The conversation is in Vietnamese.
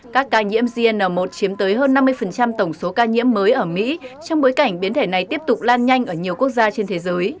các ca nhiễm zn một chiếm tới hơn năm mươi tổng số ca nhiễm mới ở mỹ trong bối cảnh biến thể này tiếp tục lan nhanh ở nhiều quốc gia trên thế giới